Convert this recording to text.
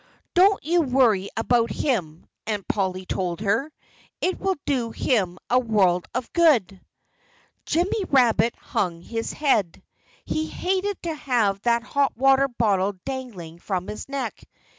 "Don't you worry about him!" Aunt Polly told her. "It will do him a world of good." Jimmy Rabbit hung his head. He hated to have that hot water bottle dangling from his neck.